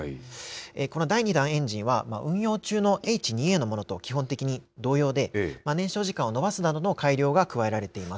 この第２段エンジンは、運用中のＨ２Ａのものと基本的に同様で、燃焼時間を延ばすなどの改良が加えられています。